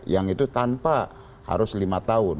yang itu tanpa harus lima tahun